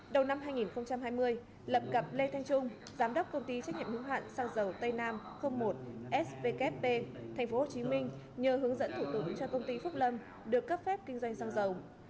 đầu năm hai nghìn hai mươi lập gặp lê thanh trung giám đốc công ty trách nhiệm hữu hạn xăng dầu tây nam một spkp thành phố hồ chí minh nhờ hướng dẫn thủ tục cho công ty phúc lâm được cấp phép kinh doanh xăng dầu